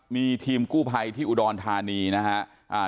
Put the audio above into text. มีทีมกู้ภัยที่อุดรธานีนะฮะ